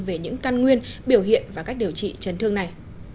về những căn nguyên biểu hiện và cách điều trị chấn thương này